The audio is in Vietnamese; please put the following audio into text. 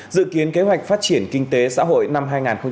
dự kiến kế hoạch phát triển kinh tế xã hội năm hai nghìn hai mươi